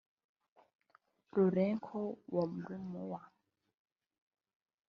Lourenço Warumua